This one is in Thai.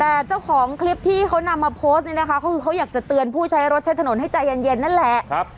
แต่เจ้าของคลิปที่เขานำมาโพสต์นี่นะคะก็คือเขาอยากจะเตือนผู้ใช้รถใช้ถนนให้ใจเย็นนั่นแหละ